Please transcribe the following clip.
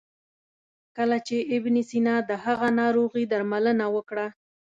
کله چې ابن سینا د هغه ناروغي درملنه وکړه.